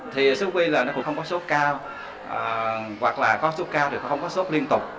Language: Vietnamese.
thì sốc huyết nó cũng không có sốc cao hoặc là có sốc cao thì không có sốc liên tục